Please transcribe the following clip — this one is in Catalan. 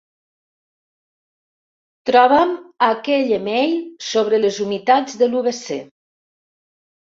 Troba'm aquell email sobre les humitats del wc.